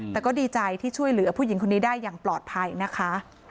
แต่ก็ดีใจที่ช่วยเหลือผู้หญิงคนนี้ได้อย่างปลอดภัยนะคะ